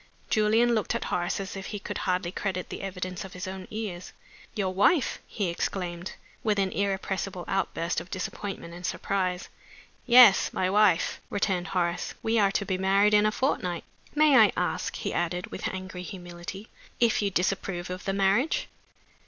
Julian looked at Horace as if he could hardly credit the evidence of his own ears. "Your wife!" he exclaimed, with an irrepressible outburst of disappointment and surprise. "Yes. My wife," returned Horace. "We are to be married in a fortnight. May I ask," he added, with angry humility, "if you disapprove of the marriage?"